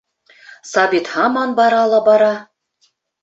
Сабит һаман бара ла бара.